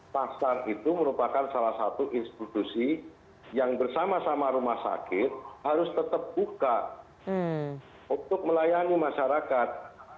pasar itu merupakan salah satu institusi yang bersama sama rumah sakit harus tetap buka untuk melayani masyarakat